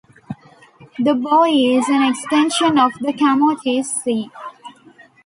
The bay is an extension of the Camotes Sea.